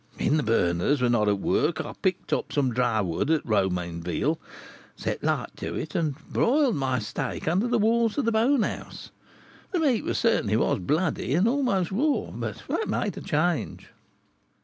When the burners were not at work, I picked up some dry wood at Romainville, set light to it, and broiled my steak under the walls of the bone house. The meat certainly was bloody, and almost raw, but that made a change."